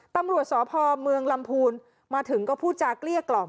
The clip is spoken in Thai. ตำรวจสพเมืองลำพูนมาถึงก็พูดจากเกลี้ยกล่อม